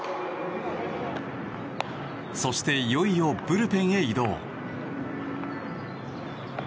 そしていよいよブルペンへ移動。